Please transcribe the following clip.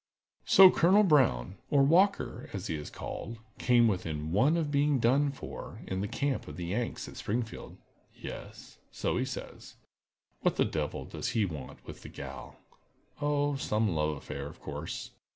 "So Colonel Brown, or Walker, as he is called, came within one of being done for in the camp of the Yanks at Springfield?" "Yes, so he says." "What the devil does he want with the gal?" "Oh, some love affair, of course."